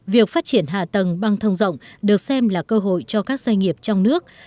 việc phát triển hạ tầng băng thông rộng được xem là cơ hội cho các doanh nghiệp trong nước